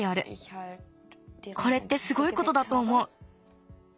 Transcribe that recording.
これってすごいことだとおもう。